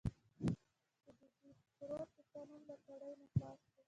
چې د دیپورت د قانون له کړۍ نه خلاص وو.